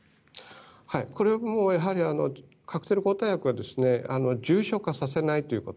これもやはりカクテル抗体薬は重症化させないということ。